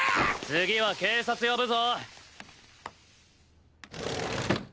次は警察呼ぶぞ。